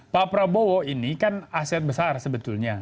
pak prabowo ini kan aset besar sebetulnya